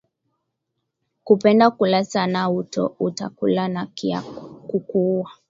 Kupenda kula sana uta kula na kya kukuuwa